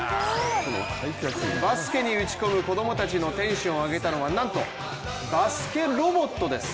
バスケに打ち込む子供たちのテンションを上げたのはなんと、バスケロボットです。